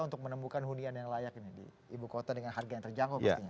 untuk menemukan hunian yang layak ini di ibu kota dengan harga yang terjangkau pastinya